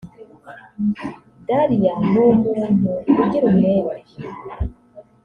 Dalia ni umuntu ugira umwete